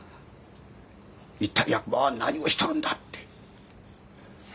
一体役場は何をしとるんだって。